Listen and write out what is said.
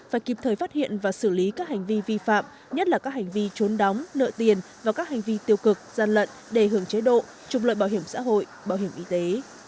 và kịp thời phát hiện và xử lý các hành vi vi phạm nhất là các hành vi trốn đóng nợ tiền và các hành vi tiêu cực gian lận đề hưởng chế độ trục lợi bảo hiểm xã hội bảo hiểm y tế